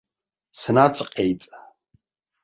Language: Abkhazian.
Снаҵаҟьеит.